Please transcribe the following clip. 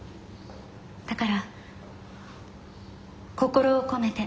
だから心を込めて。